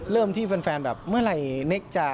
เริ่มที่แฟนแบบเมื่อไหร่เน็กจะ